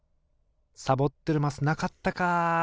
サボってるマスなかったか！